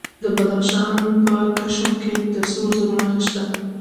د بدخشان په کشم کې د سرو زرو نښې شته.